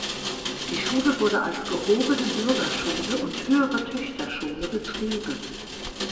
Die Schule wurde als gehobene Bürgerschule und höhere Töchterschule betrieben.